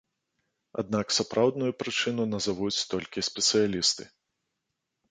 Аднак сапраўдную прычыну назавуць толькі спецыялісты.